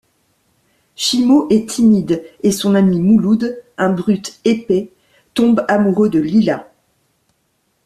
Chimo est timide et son ami Mouloud, un brut épais, tombe amoureux de Lila.